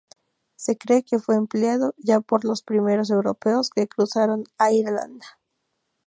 Se cree que fue empleado ya por los primeros europeos que cruzaron a Irlanda.